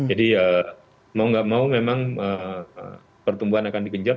jadi mau gak mau memang pertumbuhan akan dikejot